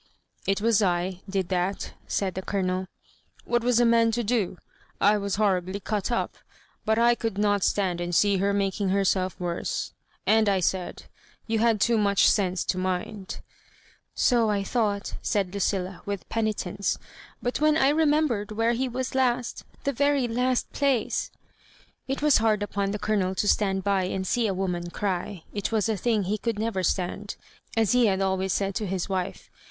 " It was I did that," said the ColoneL " What was a man to do? I was horribly cut up, but I could not stand and see her making herself worse ; and I said, you had too much sense to mind " ''So I ought," said Lucilla^ with penitence, "but when I remembered where he was last^ the very last plac e " It was hard upon the Colonel to stand by and see a woman cry. It was a thing he could never stand, as he had always said to his wife.